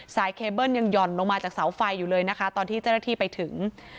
เคเบิ้ลยังหย่อนลงมาจากเสาไฟอยู่เลยนะคะตอนที่เจ้าหน้าที่ไปถึง